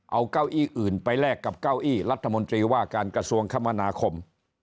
เอาเก้าอี้อื่นไปแลกกับเก้าอี้รัฐมนตรีว่าการกระทรวงคมนาคม